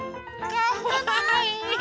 かわいい！